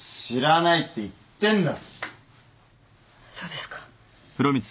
知らないって言ってんだろ！